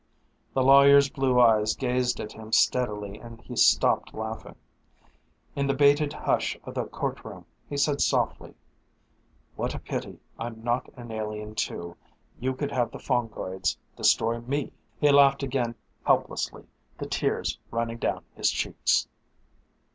The lawyer's blue eyes gazed at him steadily and he stopped laughing. In the bated hush of the courtroom he said softly, "What a pity I'm not an alien too. You could have the fungoids destroy me!" He laughed again helplessly, the tears running down his cheeks.